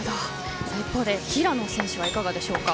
一方で平野選手はいかがですか。